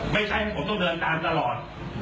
ไม่ใช่ผมต้องเดินตามตลอด